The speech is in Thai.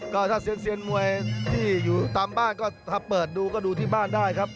ก็ถ้าเซียนมวยที่อยู่ตามบ้านก็ถ้าเปิดดูก็ดูที่บ้านได้ครับ